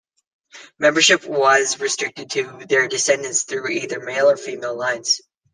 Membership was restricted to their descendants through either male or female lines.